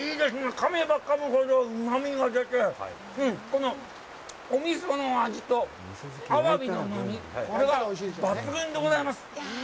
かめばかむほどうまみが出て、お味噌の味と、アワビの、これが抜群でございます。